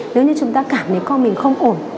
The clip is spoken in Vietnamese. nếu như chúng ta cảm thấy con mình không ổn